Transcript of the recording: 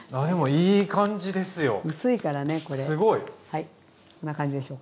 はいこんな感じでしょうか。